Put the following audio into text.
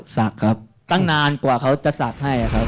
ศักดิ์ครับตั้งนานกว่าเขาจะศักดิ์ให้ครับ